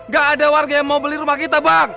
gak ada warga yang mau beli rumah kita bang